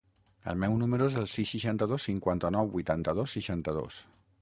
El meu número es el sis, seixanta-dos, cinquanta-nou, vuitanta-dos, seixanta-dos.